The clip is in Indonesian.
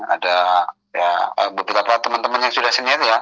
ada beberapa teman teman yang sudah sendiri ya